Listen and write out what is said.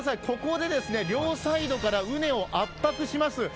ここで両サイドからうねを圧迫します。